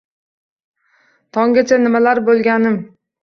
Tonggacha nimalar boʼlganim.